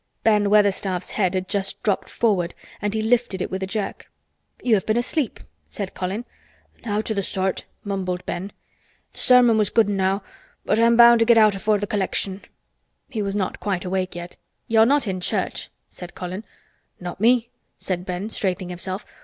Ben Weatherstaff's head had just dropped forward and he lifted it with a jerk. "You have been asleep," said Colin. "Nowt o' th' sort," mumbled Ben. "Th' sermon was good enow—but I'm bound to get out afore th' collection." He was not quite awake yet. "You're not in church," said Colin. "Not me," said Ben, straightening himself.